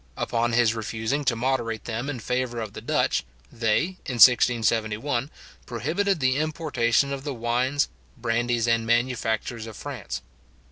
Upon his refusing to moderate them in favour of the Dutch, they, in 1671, prohibited the importation of the wines, brandies, and manufactures of France.